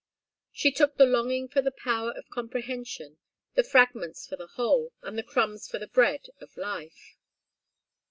She took the longing for the power of comprehension, the fragments for the whole, and the crumbs for the bread of life.